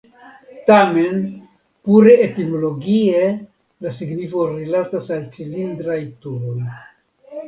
Tamen pure etimologie la signifo rilatas al cilindraj turoj.